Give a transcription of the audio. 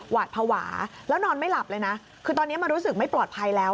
หวาดภาวะแล้วนอนไม่หลับเลยนะคือตอนนี้มันรู้สึกไม่ปลอดภัยแล้ว